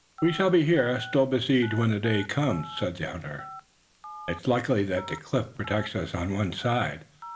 "We shall be here, still besieged, when day comes," said the hunter. "It's lucky that the cliff protects us on one side."